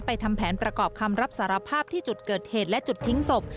ทำแผนประกอบคำรับสารภาพที่จุดเกิดเหตุและจุดทิ้งศพ